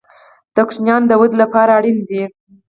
د ماشومانو د ودې لپاره اړین دي.